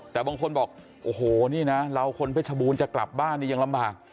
แต่บางคนบอกโอ้โหนี่นะเราคนเพชรบูรณ์จะกลับบ้านนี่ยังลำบาก